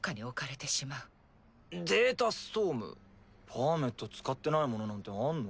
パーメット使ってないものなんてあんの？